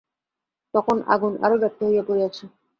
তখন আগুন আরও ব্যাপ্ত হইয়া পড়িয়াছে।